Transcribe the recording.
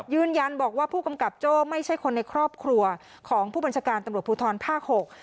ยืนยันบอกว่าผู้กำกับโจ้ไม่ใช่คนในครอบครัวของผู้บัญชาการตำรวจภูทรภาคหก